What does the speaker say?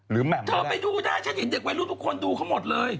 เธอไปดูได้ฉันเห็นเด็กวัยรุ่นทุกคนดูเขาหมดเลย